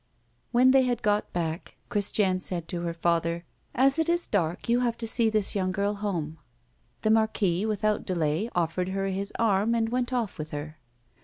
When they had got back, Christiane said to her father: "As it is dark, you have to see this young girl home." The Marquis, without delay, offered her his arm, and went off with her.